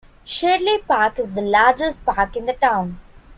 Sherdley Park is the largest park in the town.